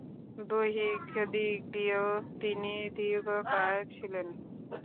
দৈহিক দিক দিয়েও তিনি দীর্ঘকায় ছিলেন।